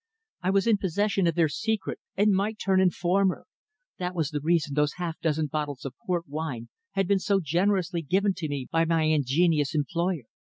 I was in possession of their secret, and might turn informer. That was the reason those half dozen bottles of port wine had been so generously given to me by my ingenious employer.